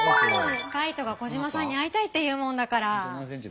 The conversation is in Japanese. カイトがコジマさんに会いたいっていうもんだから。